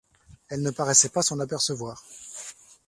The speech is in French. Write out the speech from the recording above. Elle ne paraissait pas s’en apercevoir.